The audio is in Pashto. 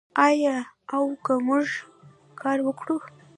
آیا او که موږ کار وکړو؟